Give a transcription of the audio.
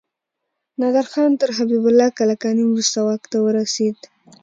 نادر خان تر حبيب الله کلکاني وروسته واک ته ورسيد.